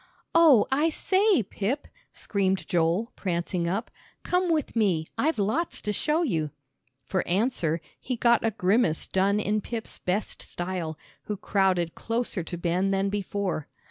"Oh, I say, Pip," screamed Joel, prancing up, "come with me, I've lots to show you." For answer he got a grimace done in Pip's best style, who crowded closer to Ben than before.